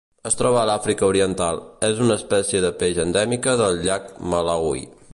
Es troba a l’Àfrica Oriental: és una espècie de peix endèmica del llac Malawi.